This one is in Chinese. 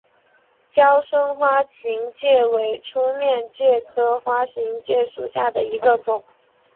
娇生花形介为粗面介科花形介属下的一个种。